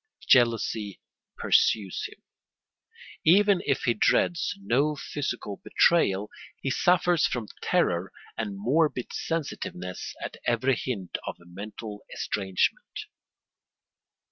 Jealousy pursues him. Even if he dreads no physical betrayal, he suffers from terror and morbid sensitiveness at every hint of mental estrangement.